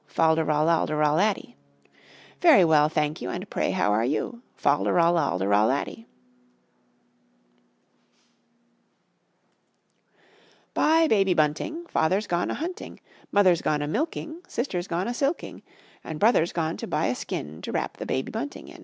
Fal de ral al de ral laddy. "Very well, thank you, and pray how are you?" Fal de ral al de ral laddy. Bye, Baby bunting, Father's gone a hunting, Mother's gone a milking, Sister's gone a silking, And Brother's gone to buy a skin To wrap the Baby bunting in.